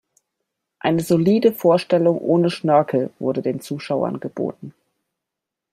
Eine solide Vorstellung ohne Schnörkel wurde den Zuschauern geboten.